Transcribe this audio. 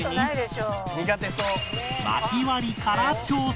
薪割りから挑戦